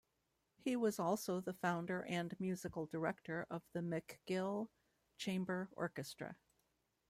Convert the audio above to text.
He was also the founder and musical director of the McGill Chamber Orchestra.